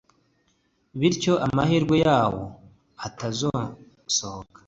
bityo amahirwe yawo atazayoyoka